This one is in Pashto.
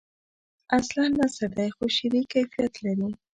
اصلاً نثر دی خو شعری کیفیت لري.